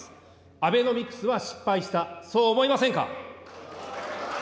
アベノミクスは失敗した、そう思いませんか。